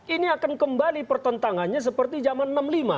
ini akan kembali pertentangannya seperti zaman enam puluh lima